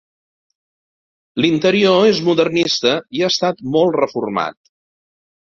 L'interior és modernista i ha estat molt reformat.